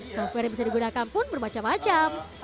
software yang bisa digunakan pun bermacam macam